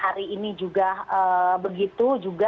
ketika ini juga seperti itu